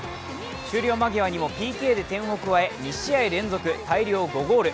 終了間際にもＰＫで点を加え２試合連続、大量５ゴール。